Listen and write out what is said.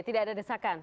tidak ada desakan